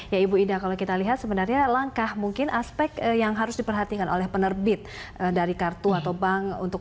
ya ibu ida kalau kita lihat sebenarnya langkah mungkin aspek yang harus diperhatikan oleh penerbit dari kartu atau bank untuk